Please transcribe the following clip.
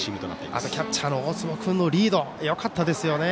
あとキャッチャーの大坪君のリードもよかったですよね。